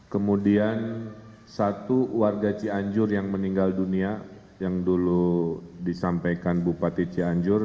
kemudian satu warga cianjur yang meninggal dunia yang dulu disampaikan bupati cianjur